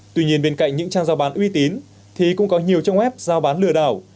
tuy nhiên bên cạnh những trang giao bán uy tín thì cũng có nhiều trang web giao bán lừa đảo